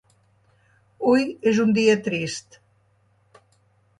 Hui és un dia trist.